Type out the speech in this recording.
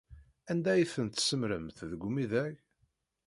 Anda ay tent-tsemmṛemt deg umidag?